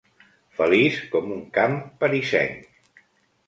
Feliç com un camp parisenc.